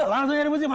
langsung nyari musuh